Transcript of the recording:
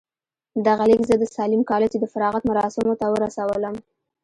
دغه ليک زه د ساليم کالج د فراغت مراسمو ته ورسولم.